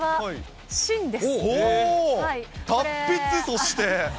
達筆、そして。